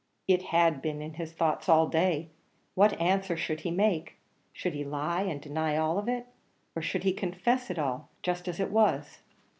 It had been in his thoughts all day: what answer should he make? should he lie, and deny it all? or should he confess it all, just as it was?